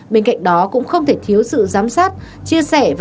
bên cạnh đó cũng không thể thiếu sự giám sát chia sẻ và